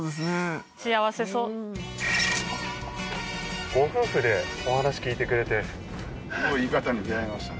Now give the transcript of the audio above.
幸せそうご夫婦でお話聞いてくれてすごいいい方に出会いましたね